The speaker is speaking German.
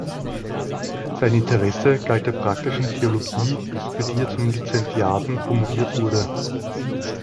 Sein Interesse galt der Praktischen Theologie, für die er zum Lizentiaten promoviert wurde.